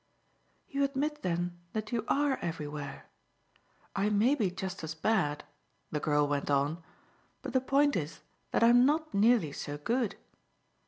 "You admit then that you ARE everywhere. I may be just as bad," the girl went on, "but the point is that I'm not nearly so good.